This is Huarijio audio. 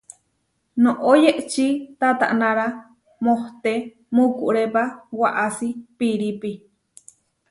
Noʼó yehčí tatanára mohté mukurépa waʼasí pirípi.